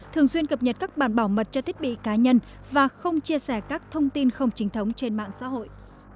thường xuyên cập nhật các bản bảo mật cho thiết bị cá nhân và không chia sẻ các thông tin không chính thống trên mạng xã hội